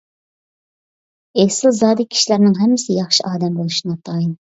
ئېسىلزادە كىشىلەرنىڭ ھەممىسى ياخشى ئادەم بولۇشى ناتايىن.